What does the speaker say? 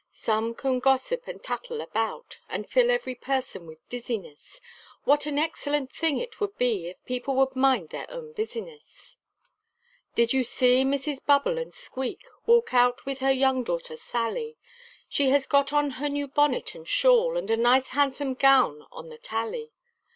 Some can gossip and tattle about, And fill every person with dizziness, What an excellent thing it would be, If people would mind their own business. Did you see Mrs Bubble and squeak, Walk out with her young daughter Sally, She has got on a new bonnet and shawl, And a nice handsome gown on the tally.